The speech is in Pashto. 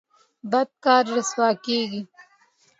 بد کار رسوا کیږي